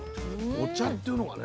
お茶っていうのがね。